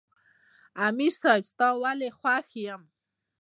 " امیر صېب ستا ولې زۀ خوښ یم" ـ